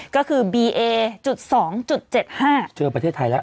ก็คือบีเอจุดสองจุดเจ็ดห้าเจอประเทศไทยแล้ว